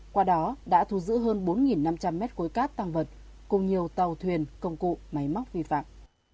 qua đó đã thu giữ hơn bốn năm trăm linh mét khối cát tăng vật cùng nhiều tàu thuyền công cụ máy móc vi phạm